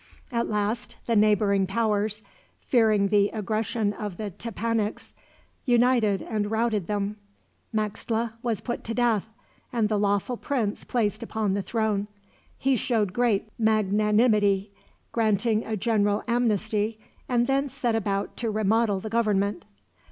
At last the neighboring powers, fearing the aggression of the Tepanecs, united and routed them. Maxtla was put to death, and the lawful prince placed upon the throne. He showed great magnanimity, granting a general amnesty, and then set about to remodel the government.